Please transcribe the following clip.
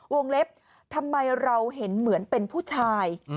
เล็บทำไมเราเห็นเหมือนเป็นผู้ชาย